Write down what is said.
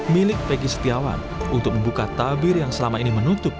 milik feki setiawan untuk membuka tabir yang selama ini menutup